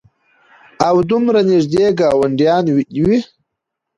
او دومره نېږدې ګاونډيان وي